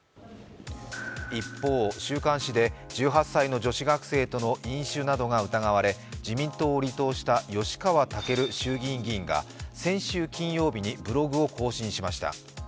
一方、週刊誌で１８歳の女子学生との飲酒などが疑われ自民党を離党した吉川赳衆院議員が先週金曜日にブログを更新しました。